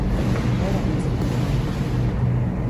Agora ten cincuenta anos.